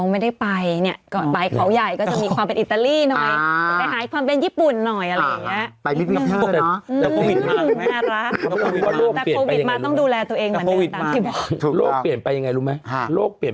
เฮ่ยพยาบาสครั้งนี้พี่ปากป้าอยู่เนี่ย